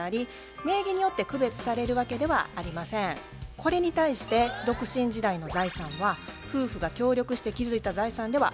これに対して独身時代の財産は夫婦が協力して築いた財産ではありません。